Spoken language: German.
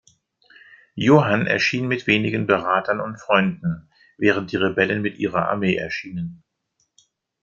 Johann erschien mit wenigen Beratern und Freunden, während die Rebellen mit ihrer Armee erschienen.